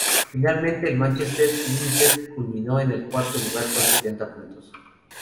Finalmente el Manchester United culminó en el cuarto lugar con setenta puntos.